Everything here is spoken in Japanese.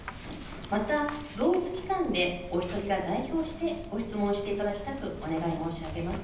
また、同一機関でお１人が代表してご質問していただきたくお願い申し上げます。